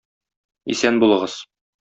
Исән булыгыз.